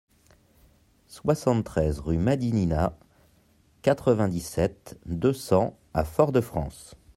soixante-treize rue Madinina, quatre-vingt-dix-sept, deux cents à Fort-de-France